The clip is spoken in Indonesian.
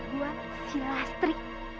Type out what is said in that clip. buat si lastri